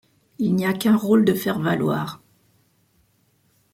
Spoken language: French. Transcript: Il n'y a qu'un rôle de faire-valoir.